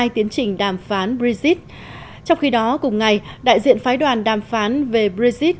tiến trình đàm phán brexit trong khi đó cùng ngày đại diện phái đoàn đàm phán về brexit